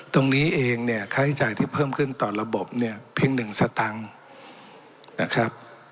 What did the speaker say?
ตรงนี้เองเนี่ยค่าใช้จ่ายที่เพิ่มขึ้นต่อระบบเนี่ยเพียง๑สตังค์นะครับ